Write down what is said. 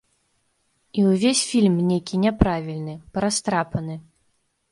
І ўвесь фільм нейкі няправільны, парастрапаны.